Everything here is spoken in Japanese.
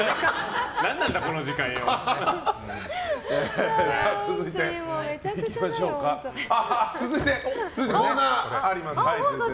何なんだ、この時間。続いて、コーナーあります。